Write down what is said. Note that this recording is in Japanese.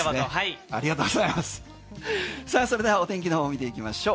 さあ、それではお天気の方を見ていきましょう。